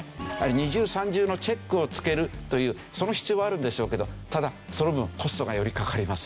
２重３重のチェックをつけるというその必要はあるんでしょうけどただその分コストがよりかかりますよね。